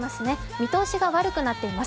見通しが悪くなっています。